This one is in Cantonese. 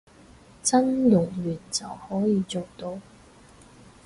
真冗員就可以做到